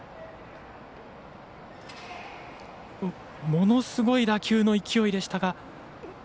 ものすごい打球の勢いでしたが。